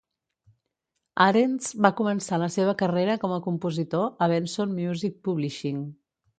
Arends va començar la seva carrera com a compositor a Benson Music Publishing.